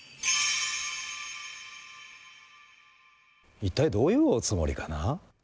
一体どういうおつもりかな？